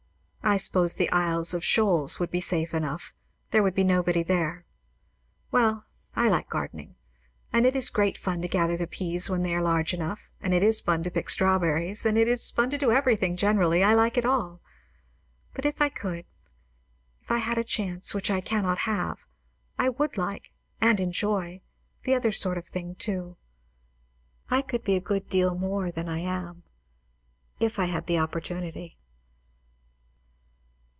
I suppose the Isles of Shoals would be safe enough. There would be nobody there. Well I like gardening. And it is great fun to gather the peas when they are large enough; and it is fun to pick strawberries; and it is fun to do everything, generally. I like it all. But if I could, if I had a chance, which I cannot have, I would like, and enjoy, the other sort of thing too. I could be a good deal more than I am, if I had the opportunity.